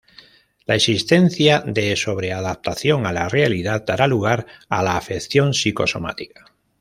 La existencia de sobre-adaptación a la realidad, dará lugar a la afección psicosomática.